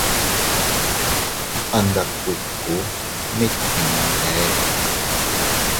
A nda kuiku mit dii bee.